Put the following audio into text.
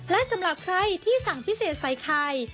และสำหรับใครที่สั่งพิเศษใส่ไข่